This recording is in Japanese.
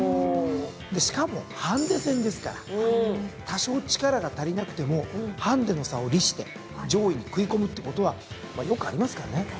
しかもハンデ戦ですから多少力が足りなくてもハンディの差を利して上位に食い込むってことはよくありますからね。